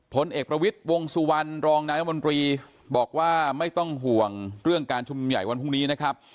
ผลเอกประวิทย์วงสุวรรณรองนายมนตรีบอกว่าไม่ต้องห่วงเรื่องการชุมนุมใหญ่วันพรุ่งนี้นะครับ